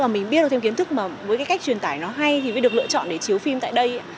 và mình biết được thêm kiến thức mà với cái cách truyền tải nó hay thì mới được lựa chọn để chiếu phim tại đây